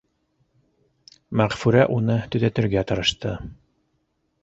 Мәғфүрә уны төҙәтергә тырышты: